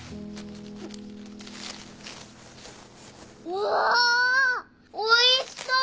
わあおいしそう。